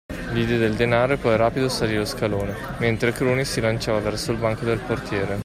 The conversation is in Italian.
Gli diede il denaro e poi rapido salí lo scalone, mentre Cruni si lanciava verso il banco del portiere.